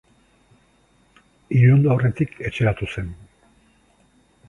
Ilundu aurretik etxeratu zen.